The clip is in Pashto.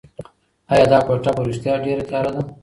ایا دا کوټه په رښتیا ډېره تیاره ده؟